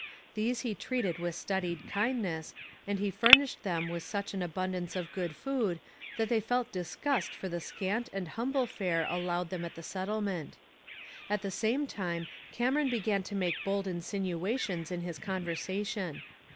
These he treated with studied kindness, and he furnished them with such an abundance of good food that they felt disgust for the scant and humble fare allowed them at the settlement. At the same time Cameron began to make bold insinuations in his conversation.